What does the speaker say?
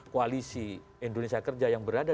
koalisi indonesia kerja yang berada